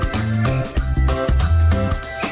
กลิ่นหอมมาก